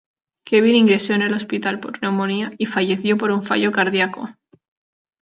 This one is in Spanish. Kevin ingresó en el hospital por neumonía y falleció por un fallo cardíaco.